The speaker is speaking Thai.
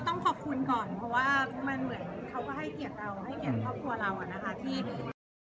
ต้องขอบคุณก่อนเพราะว่ามันเหมือนเขาก็ให้เกียรติเราให้เกียรติครอบครัวเราอ่ะนะคะที่